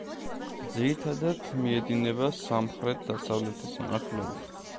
ძირითადად მიედინება სამხრეთ-დასავლეთის მიმართულებით.